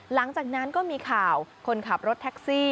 หลังจากนั้นก็มีข่าวคนขับรถแท็กซี่